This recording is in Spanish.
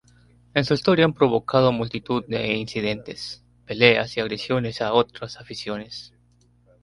En su historia han provocado multitud de incidentes, peleas y agresiones a otras aficiones.